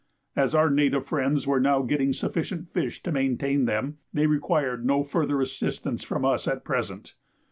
As our native friends were now getting sufficient fish to maintain them, they required no further assistance from us at present.